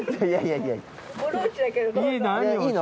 いいの？